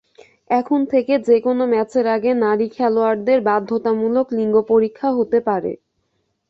এখন থেকে যেকোনো ম্যাচের আগে নারী খেলোয়াড়দের বাধ্যতামূলক লিঙ্গ পরীক্ষা হতে পারে।